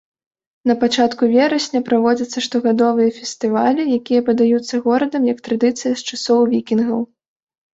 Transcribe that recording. Напачатку верасня праводзяцца штогадовыя фестывалі, якія падаюцца горадам як традыцыя з часоў вікінгаў.